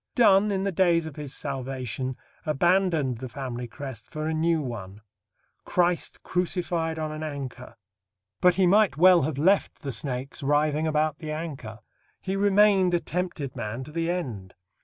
Donne, in the days of his salvation, abandoned the family crest for a new one Christ crucified on an anchor. But he might well have left the snakes writhing about the anchor. He remained a tempted man to the end.